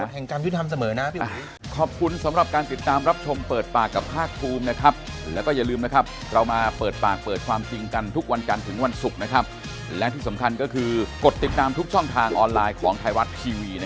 เหมือนที่นักกำบอกความยินก็รู้แต่ก็ต้องรอเวลานั่นแหละ